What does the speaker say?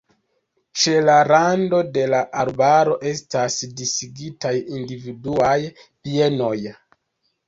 Ĉe la rando de la arbaro estas disigitaj individuaj bienoj.